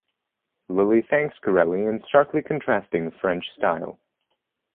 Lully thanks Corelli in starkly contrasting French style.